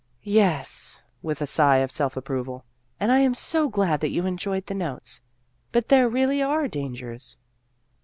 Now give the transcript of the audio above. " Yes," with a sigh of self approval, " and I am so glad that you enjoyed the notes. But there really are dan gers."